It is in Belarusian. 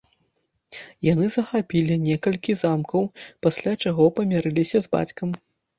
Яны захапілі некалькі замкаў, пасля чаго памірыліся з бацькам.